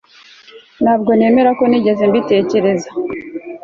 Ntabwo nemera ko ntigeze mbitekereza